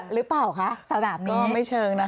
หรือเปล่าคะสนามนี้ไม่เชิงนะคะ